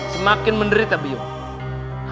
semakin menderita biongkoh